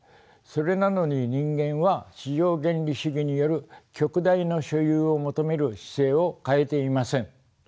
それなのに人間は市場原理主義による極大の所有を求める姿勢を変えていません。